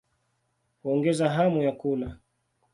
Huongeza hamu ya kula.